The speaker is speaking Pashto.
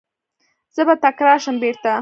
زه به تکرار شم بیرته